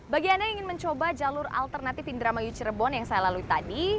bagi anda yang ingin mencoba jalur alternatif indramayu cirebon yang saya lalui tadi